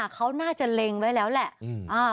เขาน่าจะเล็งไว้แล้วแหละ